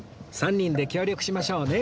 ３人で協力しましょうね